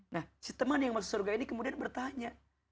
nah si teman yang masuk surga ini kemudian bertanya